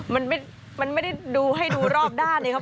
มันไม่มันไม่ได้ให้ดูรอบด้านเนี่ยครับ